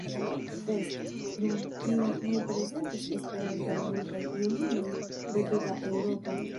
Fest, dum kiuj ni prezentas Esperanton al multaj junuloj de tuta Eŭropo.